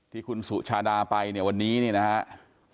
ที่คุณสุชาดาไปเนี่ยวันนี้เนี่ยนะครับ